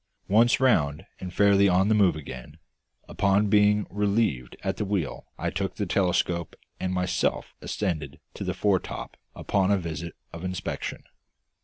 Once round and fairly on the move again, upon being relieved at the wheel I took the telescope and myself ascended to the foretop upon a visit of inspection.